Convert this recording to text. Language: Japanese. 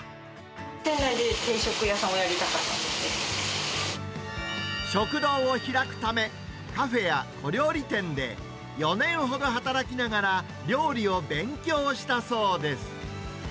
店内で定食屋さんをやりたか食堂を開くため、カフェや小料理店で４年ほど働きながら、料理を勉強したそうです。